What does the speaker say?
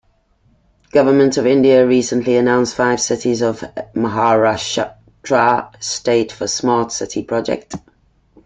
Government of India recently announced five cities of Maharashtra state for smart city project.